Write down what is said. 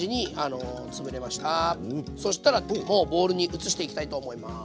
そしたらもうボウルに移していきたいと思います。